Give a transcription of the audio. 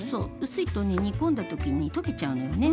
薄いとね煮込んだ時に溶けちゃうのよね。